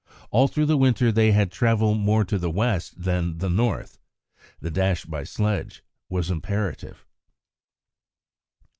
All through the winter they had travelled more to the West than the North. The dash by sledge was imperative.